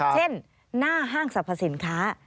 หน้าห้างสรรพสินค้า